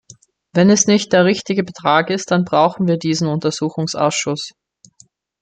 Wenn es nicht der richtige Betrag ist, dann brauchen wir diesen Untersuchungsausschuss.